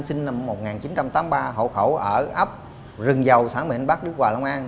sinh năm một nghìn chín trăm tám mươi ba hậu khẩu ở ấp rừng dầu sản mệnh bắc đức hòa long an